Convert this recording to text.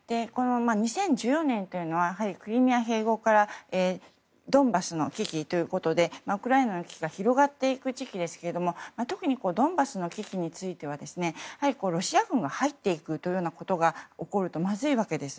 ２０１４年というのはやはりクリミア併合からドンバスの危機ということでウクライナの危機が広がっていく時期ですけども特にドンバスの危機についてはロシア軍が入っていくというようなことが起こるとまずいわけです。